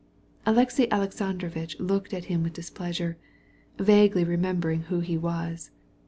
Alexey Alexandrovitch looked at Vronsky with displeasure, vaguely recalling who this was.